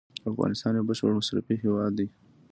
افغانستان یو بشپړ مصرفي هیواد دی.